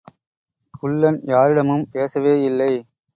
குள்ளன் யாரிடமும் பேசவேயில்லை.